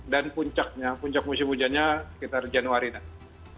dan puncaknya puncak musim hujannya sekitar januari nanti